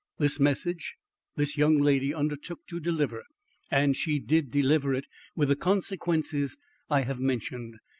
This message this young lady undertook to deliver, and she did deliver it, with the consequences I have mentioned.